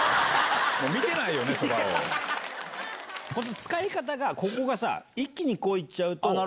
使い方がここがさ一気にこう行っちゃうと。